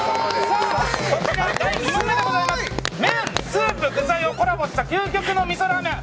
麺、スープ、具材をコラボした究極の味噌ラーメン